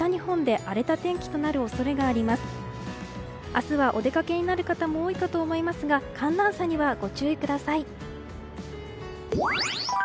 明日はお出かけになる方も多いかと思いますが寒暖差にはご注意ください。